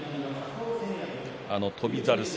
翔猿戦。